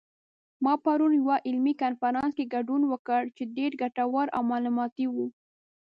ما پرون یوه علمي کنفرانس کې ګډون وکړ چې ډېر ګټور او معلوماتي و